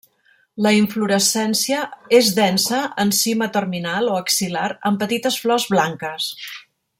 La inflorescència és densa en cima terminal o axil·lar amb petites flors blanques.